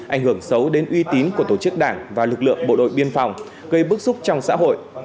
ảnh hưởng xấu đến uy tín của tổ chức đảng và lực lượng bộ đội biên phòng gây bức xúc trong xã hội